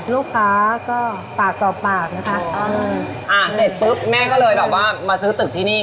ลูกค้าก็ปากต่อปากนะคะอ่าเสร็จปุ๊บแม่ก็เลยแบบว่ามาซื้อตึกที่นี่